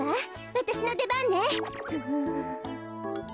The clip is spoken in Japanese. わたしのでばんね。